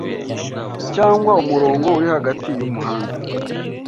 cyangwa umurongo uri hagati yumuhanda